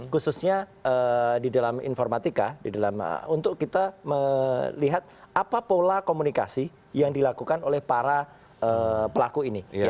khususnya di dalam informatika untuk kita melihat apa pola komunikasi yang dilakukan oleh para pelaku ini